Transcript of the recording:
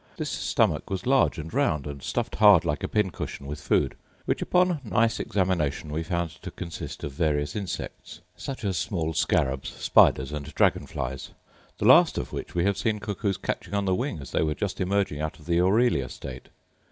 This stomach was large and round, and stuffed hard like a pin cushion with food, which, upon nice examination, we found to consist of various insects; such as small scarabs, spiders, and dragon flies; the last of which we have seen cuckoos catching on the wing as they were just emerging out of the aurelia state.